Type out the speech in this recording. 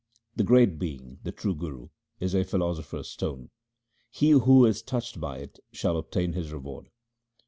The great being, the true Guru, is a philosopher's stone ; he who is touched by it shall obtain his reward.